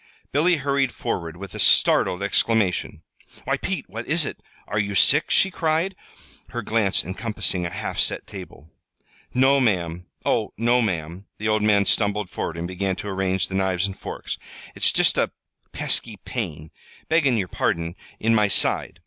Billy hurried forward with a startled exclamation. "Why, Pete, what is it? Are you sick?" she cried, her glance encompassing the half set table. "No, ma'am; oh, no, ma'am!" The old man stumbled forward and began to arrange the knives and forks. "It's just a pesky pain beggin' yer pardon in my side.